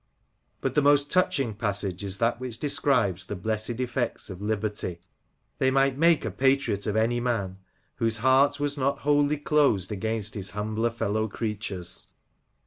But the most touching passage is that which describes the blessed effects of liberty ; they might make a patriot of any man, whose heart was not wholly closed against his humbler fellow creatures.